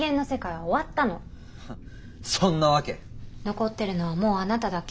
残ってるのはもうあなただけ。